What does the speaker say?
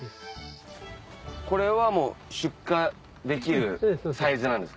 これはもう出荷できるサイズなんですか？